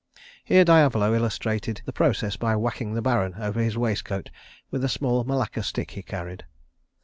Here Diavolo illustrated the process by whacking the Baron over his waist coat with a small malacca stick he carried.